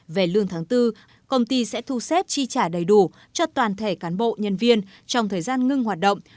về lương tháng bốn công ty sẽ thu xếp chi trả đầy đủ cho toàn thể cán bộ nhân viên trong thời gian ngưng hoạt động